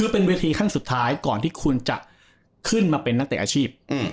เป็นเวทีขั้นสุดท้ายก่อนที่คุณจะขึ้นมาเป็นนักเตะอาชีพ